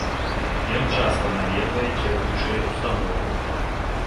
Ён часта наведвае кіруючыя ўстановы.